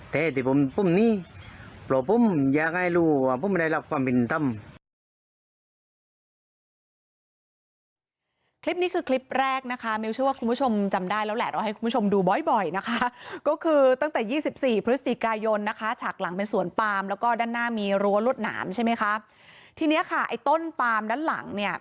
แต่ให้ติดปุ้มนี่ปลอปุ้มยังไงรู้ว่าปุ้มไม่ได้รับความผิดต่ำ